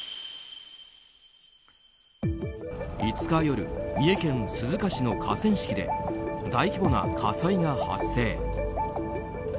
５日夜、三重県鈴鹿市の河川敷で大規模な火災が発生。